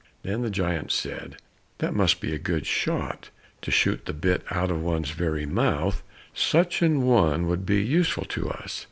Then the giant said, "That must be a good shot to shoot the bit out of one's very mouth, such an one would be useful to us."